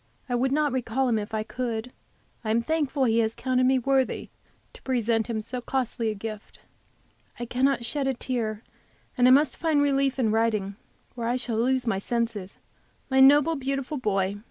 I would not recall him if I could. I am thankful He has counted me worthy to present Him so costly a gift. I cannot shed a tear, and I must find relief in writing, or I shall lose my senses. My noble, beautiful boy!